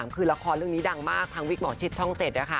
คือละครเรื่องนี้ดังมากทางวิกหมอชิดช่อง๗